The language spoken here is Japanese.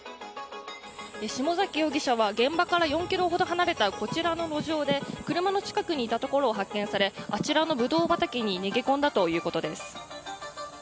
下崎容疑者は現場から４ｋｍほど離れたこちらの路上で車の近くにいたところを発見されあちらのブドウ畑に逃げ込んだということです。